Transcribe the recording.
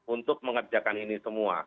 untuk mengerjakan ini semua